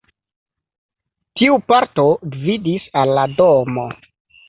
Tiu parto gvidis al la domo.